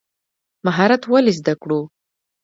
مهارت ولې زده کړو؟